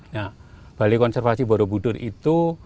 nah balai konservasi borobudur itu